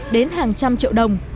đến hàng trăm triệu đồng